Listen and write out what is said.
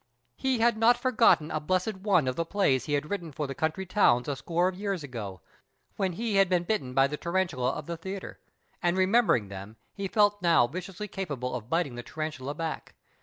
He had not for 69 PASTICHE AND PREJUDICE gotten a blessed one of the plays he had written for the country towns a score of years ago, when he had been bitten by the tarantula of the theatre, and, remembering them, he felt now viciously capable of biting the tarantula back.